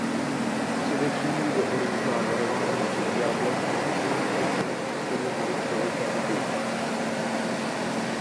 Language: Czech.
Především jde o různá varování před ďáblem a líčení jakými způsoby může člověka pokoušet.